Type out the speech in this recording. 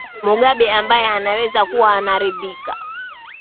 mugabe ambaye anaweza kuwa anaridhika